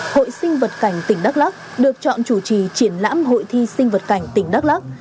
hội sinh vật cảnh tỉnh đắk lắc được chọn chủ trì triển lãm hội thi sinh vật cảnh tỉnh đắk lắc